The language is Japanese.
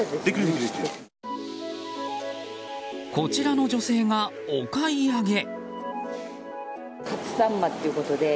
こちらの女性がお買い上げ。